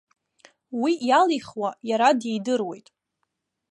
Уи иалихуа, иара дидыруеит.